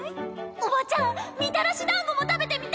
おばちゃんみたらしだんごも食べてみたい！